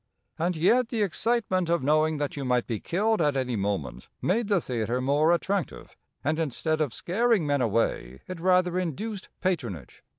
And yet the excitement of knowing that you might be killed at any moment made the theatre more attractive, and instead of scaring men away it rather induced patronage.